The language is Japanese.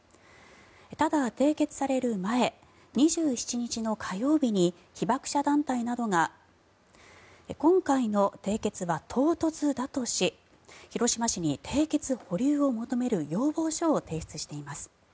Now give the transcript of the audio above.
ただ、締結される前２７日の火曜日に被爆者団体などが今回の締結は唐突だとし広島市に締結保留を求める要望書を提出しています。